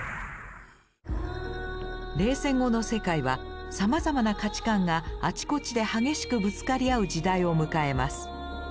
冷戦後の世界はさまざまな価値観があちこちで激しくぶつかり合う時代を迎えます。